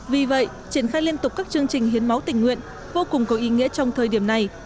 vì vậy triển khai liên tục các chương trình hiến máu tình nguyện vô cùng có ý nghĩa trong thời điểm này